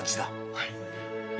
はい。